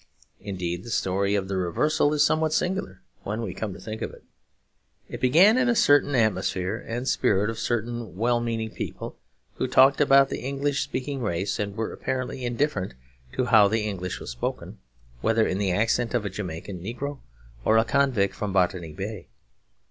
Indeed, the story of the reversal is somewhat singular, when we come to think of it. It began in a certain atmosphere and spirit of certain well meaning people who talked about the English speaking race; and were apparently indifferent to how the English was spoken, whether in the accent of a Jamaican negro or a convict from Botany Bay.